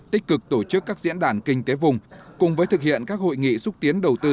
tích cực tổ chức các diễn đàn kinh tế vùng cùng với thực hiện các hội nghị xúc tiến đầu tư